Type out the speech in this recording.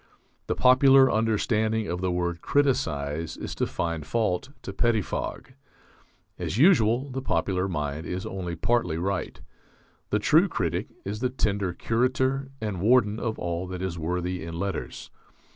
The popular understanding of the word criticize is to find fault, to pettifog. As usual, the popular mind is only partly right. The true critic is the tender curator and warden of all that is worthy in letters.